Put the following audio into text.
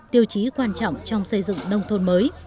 tiêu chí quan trọng trong xây dựng nông thôn mới